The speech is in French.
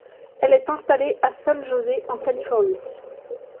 Elle est installée à San José en Californie.